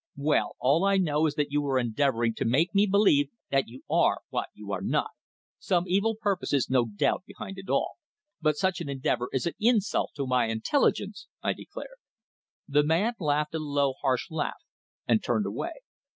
"Well, all I know is that you are endeavouring to make me believe that you are what you are not. Some evil purpose is, no doubt, behind it all. But such an endeavour is an insult to my intelligence," I declared. The man laughed a low, harsh laugh and turned away.